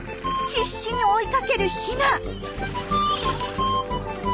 必死に追いかけるヒナ。